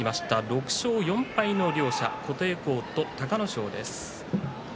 ６勝４敗の両者琴恵光と隆の勝です。